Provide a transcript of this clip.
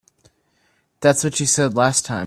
That's what she said the last time.